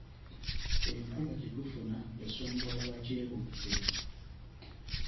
Enkuba gye tufuna esomboola bakyeruppe.